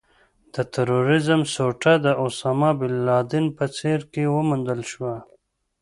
د ترورېزم سوټه د اسامه بن لادن په څېره کې وموندل شوه.